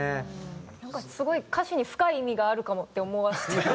なんかすごい歌詞に深い意味があるかもって思わせちゃう。